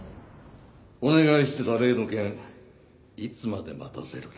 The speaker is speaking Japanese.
お願いしてた例の件いつまで待たせる気だ？